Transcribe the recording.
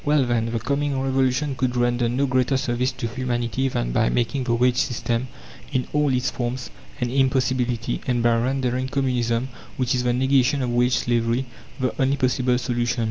Well, then, the coming Revolution could render no greater service to humanity than by making the wage system, in all its forms, an impossibility, and by rendering Communism, which is the negation of wage slavery, the only possible solution.